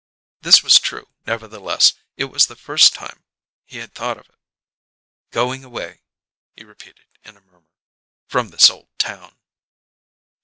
This was true; nevertheless, it was the first time he had thought of it. "Going away," he repeated in a murmur. "From this old town."